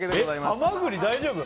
ハマグリ大丈夫？